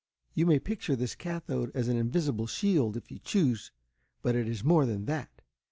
You may picture this cathode as an invisible shield, if you choose, but it is more than that.